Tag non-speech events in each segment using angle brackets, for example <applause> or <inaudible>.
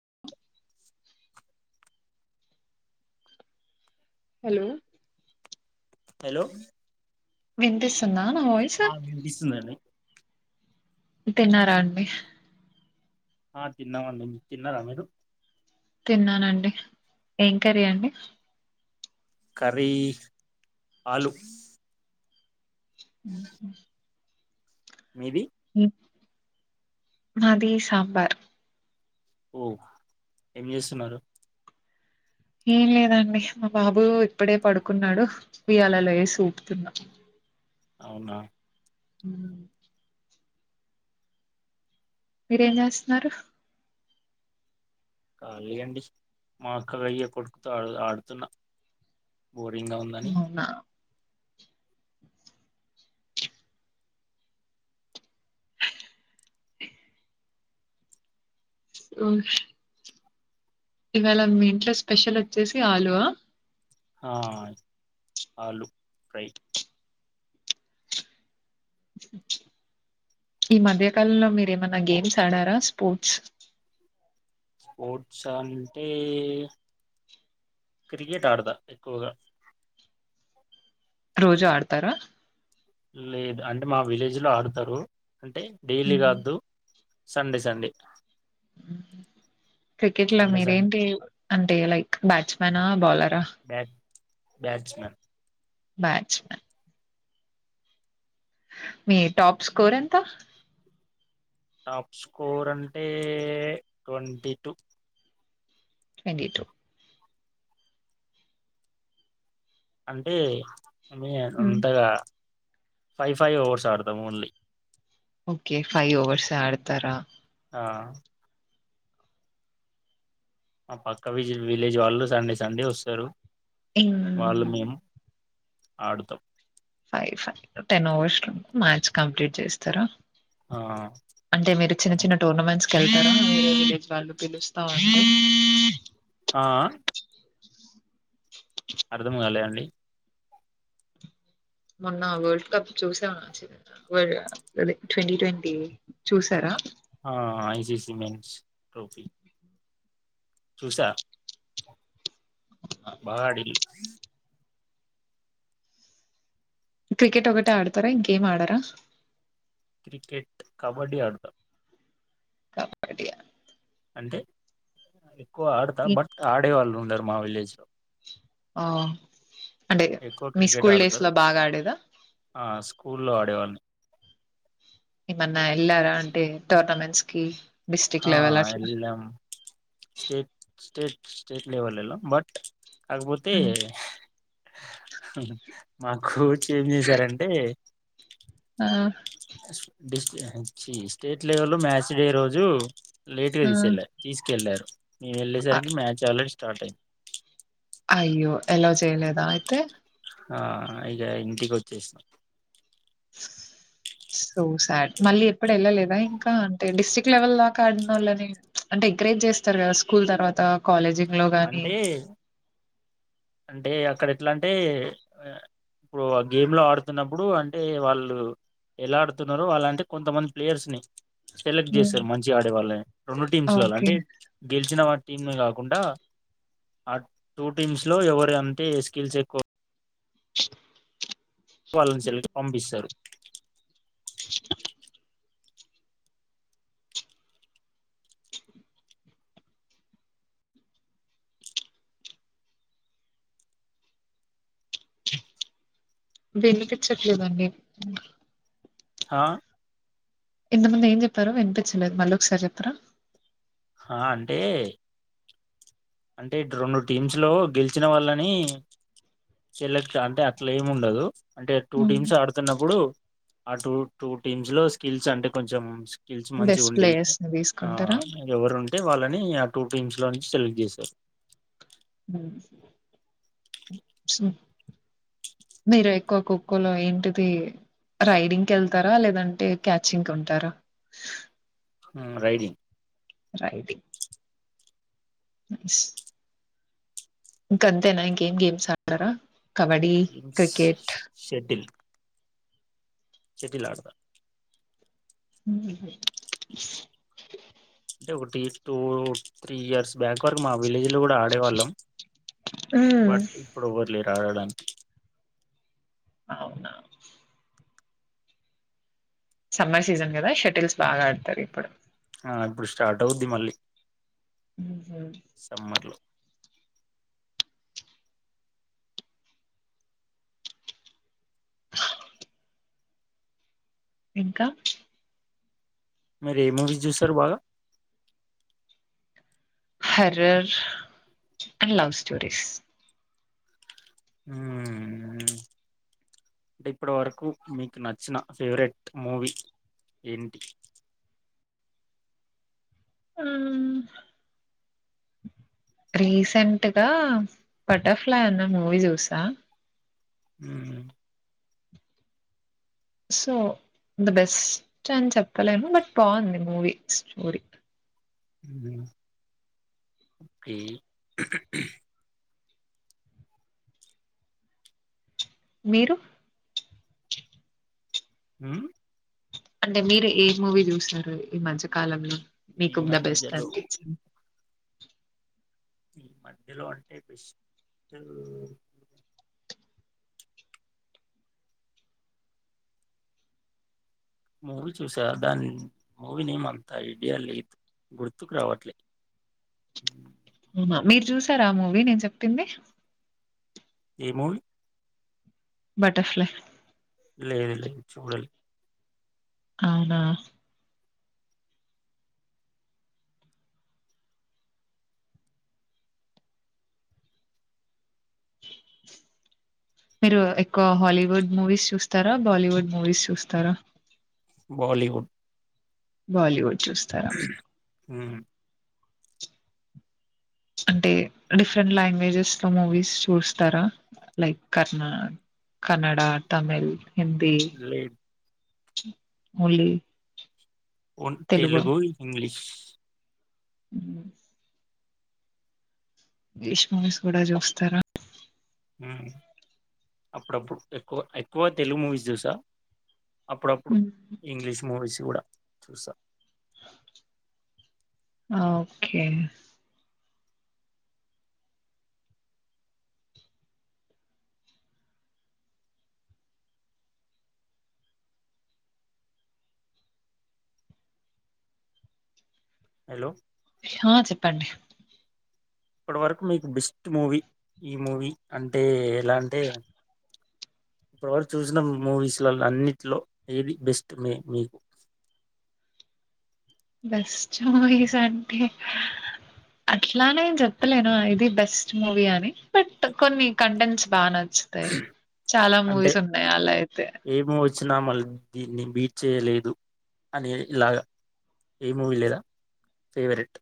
<unintelligible> Hello hello వినిపిస్తుందా నా voice ఆ వినిపిస్తుందండి తిన్నారా అండి ఆ తిన్నామండి తిన్నారా మీరు తిన్నానండి ఏం కర్రి అండి కర్రి ఆలూ ఉ <unintelligible> మీది మాది సాంబార్ ఓ ఏం చేస్తున్నారు ఏం లేదండి మా బాబు ఇప్పుడే పడుకున్నాడు ఉయ్యాలలో వేసి ఊపుతున్నా అవునా హ్మ్ మీరేం చేస్తన్నారు కాలి అండి మా అక్క వెయ్య కొడుకుతూ ఆడు ఆడుతున్నా బోరింగ్ గా ఉందని అవునా ఓశ్ ఇవాళ మీ ఇంట్లో స్పెషల్ వచ్చేసి ఆలు ఆ ఆ ఆలూ ఫ్రై ఈ మధ్యకాలంలో మీరు ఏమన్నా గేమ్స్ ఆడారా స్పోర్ట్స్ స్పోర్ట్స్ అంటే క్రికెట్ ఆడతా ఎక్కువగా రోజు ఆడతారా లేదు అంటే మా విలేజ్ లో ఆడుతరు అంటే డైలీ కాద్దు సండే సండే క్రికెట్ లో సండే సండే మీరేంటి అంటే లైక్ బ్యాట్స్మనా బౌలరా బ్యాట్స్మన్ బ్యాట్స్మన్ మీ టాప్ స్కోర్ ఎంత టాప్ స్కోర్ అంటే ట్వంటీ టూ ట్వంటీ టూ అంటే మే టూ అంతగా ఫైవ్ ఫైవ్ ఓవర్స్ ఆడతాం ఓన్లీ ఓకే ఫైవ్ ఓవర్స్ ఆడతారా ఆ ఆ పక్క విజి విలేజ్ వాళ్ళు సండే సండే వస్తారు వాళ్ళు హ్మ్. మేమ్ ఆడుతం ఫైవ్ ఫైవ్ టెన్ అవర్స్ లో మ్యాచ్ కంప్లీట్ చేస్తరా ఆ అంటే మీరు చిన్న చిన్న టోర్నమెంట్స్ కెళ్తారా <inaudible> విలేజ్ వాళ్ళు పిలుస్తా ఉంటే ఆ అర్ధం కాలే అండి మొన్న వల్డ్ కప్ చూసామ వడ్ అదే ట్వంటీ ట్వంటీ చూసారా ఆ ఐసిసి మెన్స్ ట్రోఫీ చూసా బాగాడిళ్లు అ క్రికెట్ ఒకటే ఆడతారా ఇంకేం ఆడరా. క్రికెట్ కబడ్డీ అడతా కబడియా అంటే ఎక్కువ ఆడతా బట్ ఆడేవాళ్ళు ఉ అందరం మా విలేజ్ లో ఆ అంటే ఎక్కువ మీ క్రికెట్ స్కూల్ డేస్ ఆడతారు లో బాగా ఆడేదా. ఆ స్కూల్లో ఆడేవాన్ని ఏమన్నా వెళ్లారా అంటే టోర్నమెంట్స్ కి హా ఎల్లాం స్టేట్ స్టేట్ స్టేట్ లెవెల్ ఎల్లాం బట్ కాకపోతే హ్మ్. మాకు ఏం చేసారంటే ఆ డిస్టి ఇహా చి స్టేట్ లెవెల్ మ్యాచ్ డే రోజు లేట్గా ఆ! తీసేల్లా తీస్కెళ్ళారు. మేము అ వెళ్ళేసరికి మ్యాచ్ ఆల్రడి స్టా స్టార్ట్ అయింది. అయ్యో అల్లౌ చేయలేదా అయితే ఆ ఇగా ఇంటికి వచ్చేసినం. సో సాడ్ మళ్ళీ ఎప్పుడు వెళ్ళలేదా ఇంకా అంటే డిస్ట్రిక్ట్ లెవెల్ దాకా ఆడినోళ్ళని అంటే ఎంకరేజ్ చేస్తరు కదా స్కూల్ తర్వాత కాలేజీ లో గాని అంటే అంటే అక్కడ ఎట్లా అంటే, ఆ ఇప్పుడు ఆ గేమ్ లో ఆడుతున్నప్పుడు, అంటే వాళ్ళు ఎలా ఆడుతున్నారో వాళ్ళంటే కొంతమంది ప్లేయర్స్ని సెలెక్ట్ హ్మ్. చేస్తరు మంచిగా ఆడే వాళ్ళని రెండు టీమ్స్లల్లా ఓకే. అంటే గెలిచిన వా టీమ్ల కాకుండా ఆ టూ టీమ్స్ లో ఎవరు అంటే స్కిల్స్ ఎక్కువ వాళ్ళని సెలక్ట్ పంపిస్తరు. వినిపించట్లేదండి. హా ఇంత ముందు ఏం చెప్పారు వినిపించలేదు మళ్ళా ఒక సారి చెప్పరా. హ అంటే అంటే రెండు టీమ్స్ లో గెలిచిన వాళ్ళని సెలెక్ట్ అంటే అట్లా ఏమి ఉండదు, అంటే టూ హ్మ్. టీమ్స్ ఆడుతున్నప్పుడు ఆ టూ టూ టీమ్స్ లో స్కిల్స్ అంటే కొంచెం స్కి స్కిల్స్ మంచి బెస్ట్ గుండి ప్లేయర్స్‌ని ఆ దీసుకుంటారా? ఎవరు ఉంటే వాళ్ళని అ టూ టీమ్స్లో నుంచి సెలక్ట్ చేసి స మీరు ఎక్కువ ఖోఖోలో ఏంటిది రైడింగ్కి ఎళ్తారా లేదంటే క్యాచింగ్ కి ఉంటారా. ఉమ్ రైడింగ్. రైడింగ్ నైస్ ఇంక అంతేనా ఇంకేం గేమ్స్ ఆడార. గేమ్స్ షెటిల్ షెటిల్ ఆడతా ఉమ్ హూ అంటే ఒకటి టూ త్రీ ఇయర్స్ బ్యాక్ వరకు మా విలేజ్ లోకూడా ఆడేవాళ్ళం హ్మ్. బట్ ఇప్పుడెవ్వరు లేరు. ఆడడానికి అవునా సమ్మర్ సీజన్ కదా షటిల్స్ బాగా ఆడుతారు. ఇప్పుడు ఆ ఇప్పుడు స్టార్ట్ అవుద్ది మళ్ళీ ఉమ్ హూ సమ్మర్ లో ఇంకా మీరు ఏ మూవీస్ చూస్తారు బాగా. Horror and love stories. ఉమ్మ్ అంటే ఇప్పటి వరకు మీకు నచ్చిన ఫేవరెట్ మూవీ ఏంటి. ఉమ్ రీసెంట్గా బట్టర్ఫైల్యి అన్న మూవీ చూసా. ఉమ్ సో ద బెస్ట్ అని చెప్పలేము, బట్ బావుంది మూవీ స్టోరీ. ఉమ్ ఓకే మీరు మ్మ్ అంటే మీరు ఏ మూవీ చూసారు ఈ మధ్య కాలంలో. ఈ మీకు ద బెస్ట్ మధ్యలో అనిపించింది. ఈ మధ్యలో అంటే బెస్ట్. మూవీ చూసా దాని మూవీ నేమ్ అంత ఐడియా లేదు గుర్తుకు రావట్లే. మ మీరు చూసారా ఆ మూవీ నేను చెప్పింది. ఏ మూవీ బట్టర్ఫైల్యి లేదు లేదు చూడలే. అవునా మీరు ఎక్కువ హాలీవుడ్ మూవీస్ చూస్తారా, బాలీవుడ్ మూవీస్ చూస్తారా. బాలీవుడ్ బాలీవుడ్ చూస్తారా ఊమ్ అంటే డిఫరెంట్ లాంగ్వేజెస్ లో మూవీస్ చూస్తారా లైక్ కన్ కన్నడ, తమిళ్. హిందీ లేదు ఓన్లీ ఓన్ తెలుగు, ఇంగ్లీష్ అ ష్ మూవీస్ కూడా చూస్తారా అప్పుడప్పుడు ఎక్కువ ఎక్కువ తెలుగు మూవీస్ చూసా అప్పుడప్పుడు ఇంగ్లీష్ మూవీస్ కూడా చూసా ఓకే హలో ఆ చెప్పండి ఇప్పటి వరకు మీకు బెస్ట్ మూవీ ఈ మూవీ అంటే ఎలా అంటే ఇప్పటి వరకు చూసిన మూవీస్లల అన్నింటిలో ఏది బెస్ట్ మే మీకు బెస్ట్ మూవీస్ అంటే అట్లానేేను చెప్పలేను ఇది బెస్ట్ మూవీ అని బట్ కొన్ని కంటెంట్స్ బా నచ్చుతాయి చాలా మూవీస్ ఉన్నాయి అలా అయితే ఇచ్చినా మళ్ళ దీన్ని బీట్ చేయలేదు అని ఇలాగా ఏ మూవీ లేదా ఫేవరెట్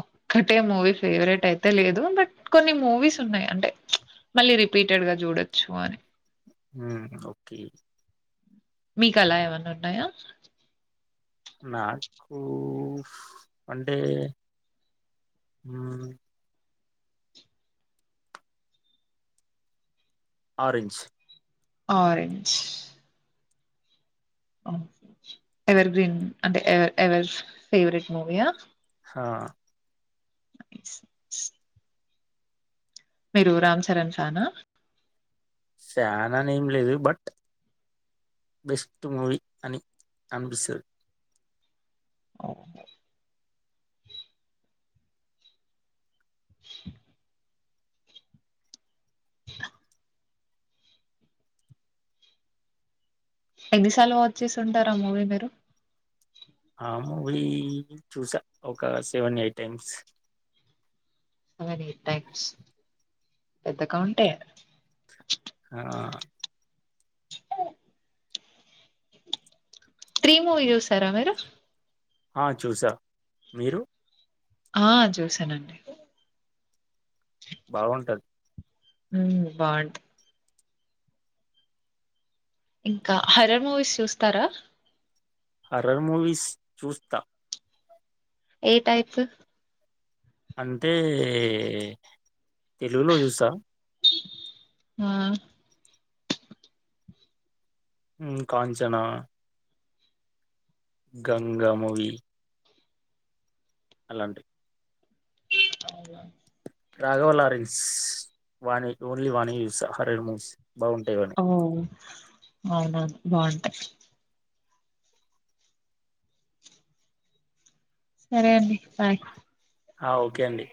ఒక్కటే మూవీ ఫేవరెట్ అయితే లేదు బట్ కొన్ని మూవీస్ ఉన్నాయి అంటే మళ్ళీ రిపీటెడ్ గా చూడొచ్చు అని ఓకే మీకు అలా ఏమన్న ఉన్నాయా నాకూ అంటే ఆరెంజ్ ఆరెంజ్ ఎవర్ గ్రీన్ అంటే ఎవ ఎవర్ ఫేవరెట్ మూవీయా హా అ మీరు రామ్ చరణ్ ఫానా ఫానా అనే ఏం లేదు బట్ బెస్ట్ మూవీ అని అనిపిస్తది అవును ఎన్ని సార్లు వాచ్చ్ చేసి ఉంటారా మూవీ మీరు ఆ మూవీ చూసా ఒక seven eight times seven eight times పెద్ద కౌంటే ఆ త్రీమువీ చూసారా మీరు ఆ చూసా మీరు ఆ చూసానండి బాగుంటది ఉ బావుంటది ఇంకా హరర్ మూవీస్ చూస్తారా హర్రర్ మూవీస్ చూస్తా ఏ టైపు అంతే తెలుగులో చూసా హ్మ్ కాంచనా గంగ మూవీ అలాంటి అవును రఘవ లారెన్స్ వాణే ఓన్లీ వాణియే చూస్త హరర్ మూస్ బాగుంటాయి వానివి ఓ అవునవును బాగుంటాయ్ సరే అండి బాయ్ ఆ ఓకే అండి